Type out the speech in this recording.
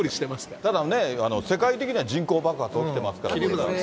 ただね、世界的には人口爆発起きてますから切り札です。